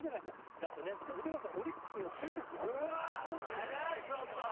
だってね、見てくださいオリックス、今、首位ですよ。